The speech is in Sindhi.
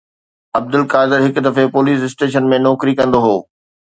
عبدالقادر هڪ دفعي پوليس اسٽيشن ۾ نوڪري ڪندو هو